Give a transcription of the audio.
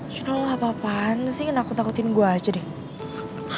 juno lo apa apaan sih ngenakut nakutin gue aja deh